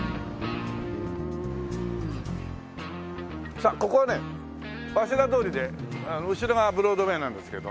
さあここはね早稲田通りで後ろがブロードウェイなんですけどね